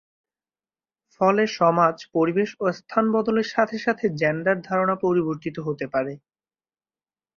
ফলে সমাজ, পরিবেশ ও স্থান বদলের সাথে সাথে জেন্ডার-ধারণা পরিবর্তিত হতে পারে।